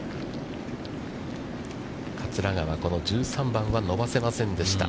桂川、この１３番は伸ばせませんでした。